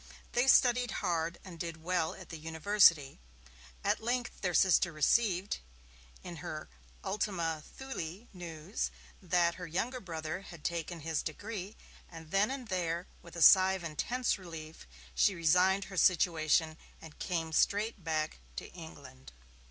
They studied hard and did well at the university. At length their sister received, in her 'ultima Thule', news that her younger brother had taken his degree, and then and there, with a sigh of intense relief, she resigned her situation and came straight back to England.